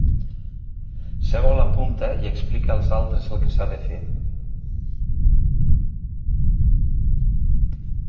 Seu a la punta i explica als altres el que s'ha de fer.